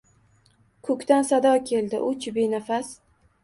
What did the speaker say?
Ko‘kdan sado keldi, u-chi, benafas